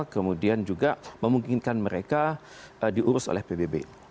kemudian juga memungkinkan mereka diurus oleh pbb